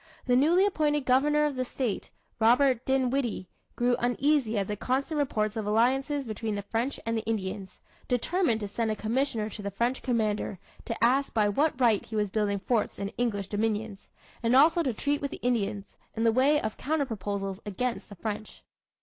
The newly appointed governor of the state, Robert Dinwiddie, growing uneasy at the constant reports of alliances between the French and Indians, determined to send a commissioner to the French commander, to ask by what right he was building forts in English dominions; and also to treat with the Indians, in the way of counter proposals against the French.